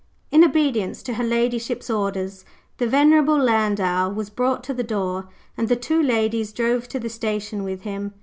In obedience to her ladyship's orders, the venerable landau was brought to the door; and the two ladies drove to the station with him.